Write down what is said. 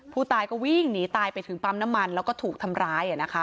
ผู้ตายก็วิ่งหนีตายไปถึงปั๊มน้ำมันแล้วก็ถูกทำร้าย